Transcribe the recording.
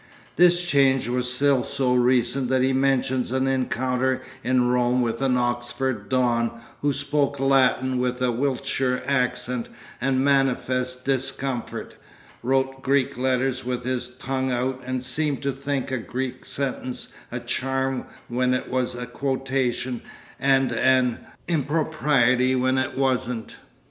(This change was still so recent that he mentions an encounter in Rome with an 'Oxford don' who 'spoke Latin with a Wiltshire accent and manifest discomfort, wrote Greek letters with his tongue out, and seemed to think a Greek sentence a charm when it was a quotation and an impropriety when it wasn't.